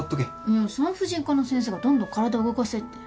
いや産婦人科の先生がどんどん体動かせって。